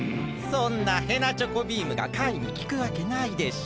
そんなへなちょこビームがカイにきくわけないでしょう。